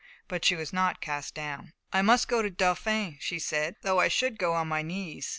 But she was not cast down. "I must go to the Dauphin," she said, "though I should go on my knees."